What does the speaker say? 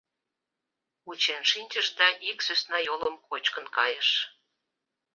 Вучен шинчыш да ик сӧсна йолым кочкын кайыш.